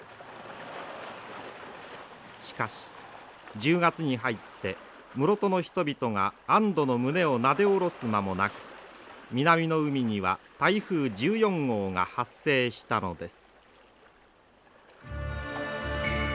しかし１０月に入って室戸の人々が安どの胸をなで下ろす間もなく南の海には台風１４号が発生したのです。